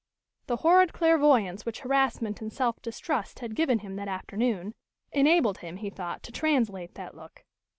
The horrid clairvoyance which harassment and self distrust had given him that afternoon enabled him, he thought, to translate that look.